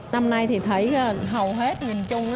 năm nay thì thấy hầu hết nhìn chung